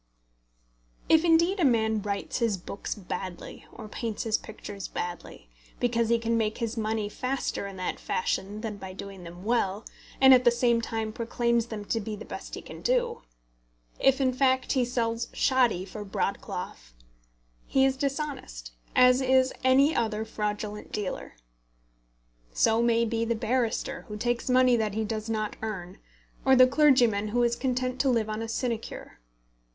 If indeed a man writes his books badly, or paints his pictures badly, because he can make his money faster in that fashion than by doing them well, and at the same time proclaims them to be the best he can do, if in fact he sells shoddy for broadcloth, he is dishonest, as is any other fraudulent dealer. So may be the barrister who takes money that he does not earn, or the clergyman who is content to live on a sinecure.